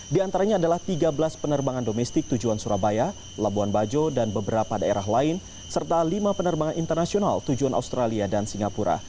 di antaranya adalah tiga belas penerbangan domestik tujuan surabaya labuan bajo dan beberapa daerah lain serta lima penerbangan internasional tujuan australia dan singapura